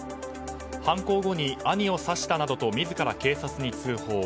犯行後に兄を刺したなどと自ら警察に通報。